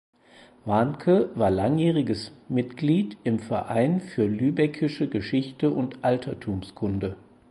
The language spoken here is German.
Warncke war langjähriges Mitglied im "Verein für Lübeckische Geschichte und Altertumskunde".